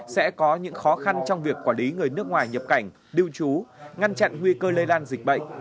sẽ có những khó khăn trong việc quản lý người nước ngoài nhập cảnh lưu trú ngăn chặn nguy cơ lây lan dịch bệnh